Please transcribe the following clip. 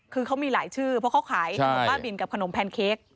คือเขามีหลายชื่อเพราะเขาขายขนมบ้าบินกับขนมแพนเค้ก